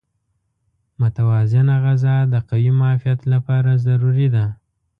متوازن غذا د قوي معافیت لپاره ضروري ده.